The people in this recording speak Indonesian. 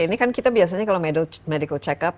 ini kan kita biasanya kalau medical check up